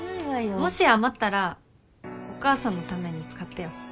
もし余ったらお母さんのために使ってよ。